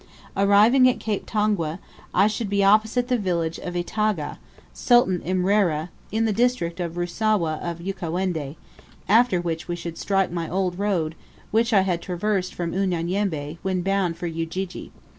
Arriving at Cape Tongwe, I should be opposite the village of Itaga, Sultan Imrera, in the district of Rusawa of Ukawendi; after which we should strike my old road, which I had traversed from Unyanyembe, when bound for Ujiji.